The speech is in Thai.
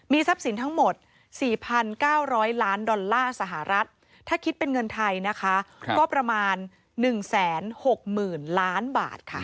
ทรัพย์สินทั้งหมด๔๙๐๐ล้านดอลลาร์สหรัฐถ้าคิดเป็นเงินไทยนะคะก็ประมาณ๑๖๐๐๐ล้านบาทค่ะ